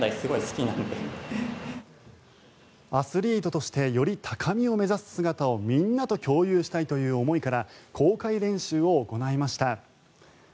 アスリートとしてより高みを目指す姿をみんなと共有したいという思いから公開練習を行いました。